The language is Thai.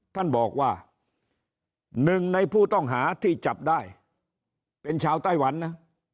ท่านบอกว่าหนึ่งในผู้ต้องหาที่จับได้เป็นชาวไต้หวันนะ